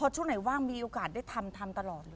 ช่วงไหนว่างมีโอกาสได้ทำทำตลอด